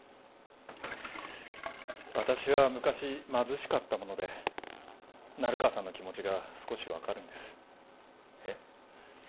私は昔貧しかったもので成川さんの気持ちが少し分かるんですえっ？